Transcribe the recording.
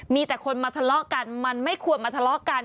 มีแต่คนมาทะเลาะกันมันไม่ควรมาทะเลาะกัน